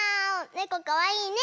ねこかわいいね！